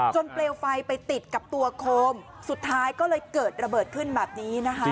เปลวไฟไปติดกับตัวโคมสุดท้ายก็เลยเกิดระเบิดขึ้นแบบนี้นะคะ